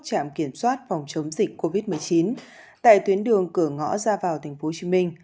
trạm kiểm soát phòng chống dịch covid một mươi chín tại tuyến đường cửa ngõ ra vào tp hcm